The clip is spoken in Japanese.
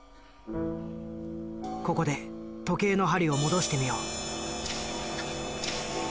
ここで時計の針を戻してみよう。